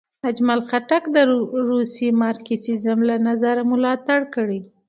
اجمل خټک د روسي مارکسیزم له نظره ملاتړ کړی.